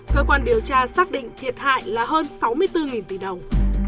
cơ quan điều tra xác định thiệt hại là hơn sáu mươi bốn tỷ đồng